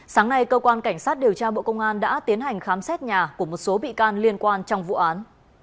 sáng nay cơ quan cảnh sát điều tra bộ công an đã tiến hành khám xét nhà của một số bị can liên quan trong vụ án